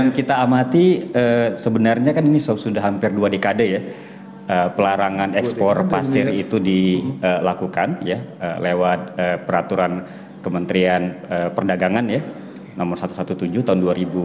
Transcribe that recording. kita amati sebenarnya kan ini sudah hampir dua dekade ya pelarangan ekspor pasir itu dilakukan lewat peraturan kementerian perdagangan ya nomor satu ratus tujuh belas tahun dua ribu dua puluh